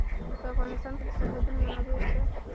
په افغانستان کې د سرحدونه منابع شته.